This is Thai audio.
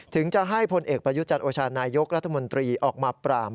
ถึงจะให้พลเอกประยุจันทร์โอชานายกรัฐมนตรีออกมาปราม